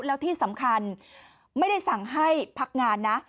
แล้วที่สำคัญไม่ได้สั่งให้พักงานนะ